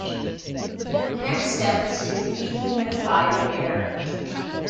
The next step is to dehumidify the air.